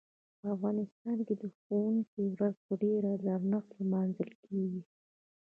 په افغانستان کې د ښوونکي ورځ په ډیر درنښت لمانځل کیږي.